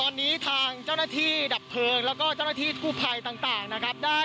ตอนนี้ทางเจ้าหน้าที่ดับเพลิงแล้วก็เจ้าหน้าที่กู้ภัยต่างนะครับได้